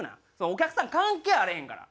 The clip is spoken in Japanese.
「お客さん関係あれへんから」。